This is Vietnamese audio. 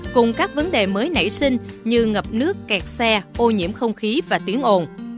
cùng các vấn đề mới nảy sinh như ngập nước kẹt xe ô nhiễm không khí và tiếng ồn